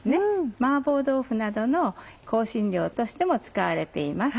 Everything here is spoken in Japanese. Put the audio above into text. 麻婆豆腐などの香辛料としても使われています。